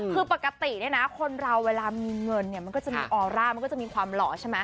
คือปกติเนี่ยนะคนเราเวลามีเงินเนี่ยมันก็จะมีออร่ามันก็จะมีความหล่อใช่ไหม